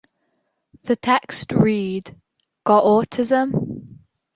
The text read, Got autism?